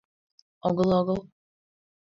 — Огыл, огыл!